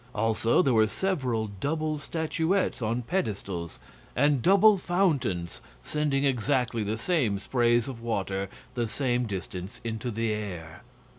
Also, there were several double statuettes on pedestals, and double fountains sending exactly the same sprays of water the same distance into the air.